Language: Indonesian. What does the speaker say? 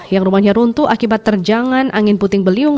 yang rumahnya runtuh akibat terjangan angin puting beliung